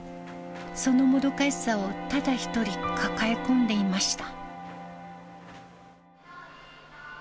そのもどかしさをただ一人、抱え込んでいました。